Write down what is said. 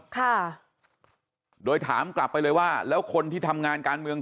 ค่ะโดยถามกลับไปเลยว่าแล้วคนที่ทำงานการเมือง